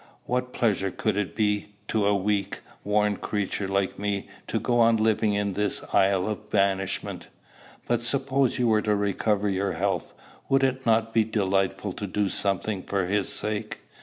What pleasure could it be to a weak, worn creature like me to go on living in this isle of banishment?" "But suppose you were to recover your health: would it not be delightful to do something for his sake?